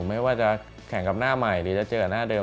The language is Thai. ไม่ว่าจะแข่งกับหน้าใหม่หรือจะเจอกับหน้าเดิ